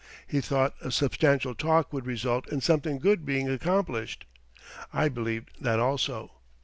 He thought a substantial talk would result in something good being accomplished. I believed that also.